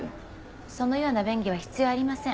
そのような便宜は必要ありません。